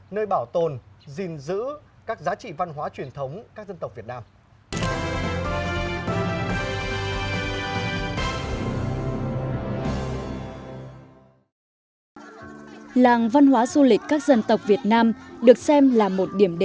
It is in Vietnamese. nơi bảo tồn gìn giữ các giá trị văn hóa truyền thống các dân tộc việt nam